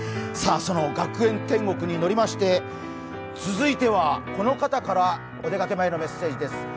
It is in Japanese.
「学園天国」にノリまして、続いてはこの方から、お出かけ前のメッセージです。